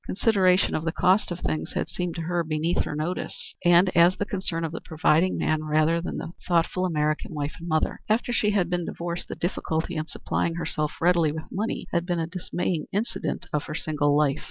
Consideration of the cost of things had seemed to her beneath her notice, and as the concern of the providing man rather than the thoughtful American wife and mother. After she had been divorced the difficulty in supplying herself readily with money had been a dismaying incident of her single life.